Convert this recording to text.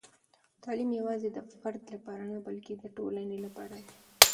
تعلیم یوازې د فرد لپاره نه، بلکې د ټولنې لپاره دی.